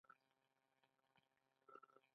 او د ژوند د ښه کولو لپاره دی.